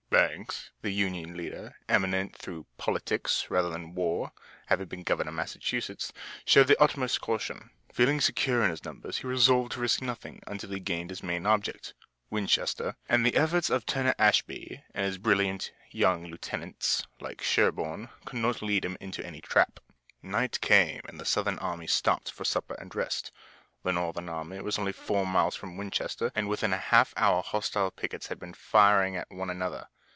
Banks, the Union leader, eminent through politics rather than war, having been Governor of Massachusetts, showed the utmost caution. Feeling secure in his numbers he resolved to risk nothing until he gained his main object Winchester and the efforts of Turner Ashby and his brilliant young lieutenants like Sherburne, could not lead him into any trap. Night came and the Southern army stopped for supper and rest. The Northern army was then only four miles from Winchester, and within a half hour hostile pickets had been firing at one another.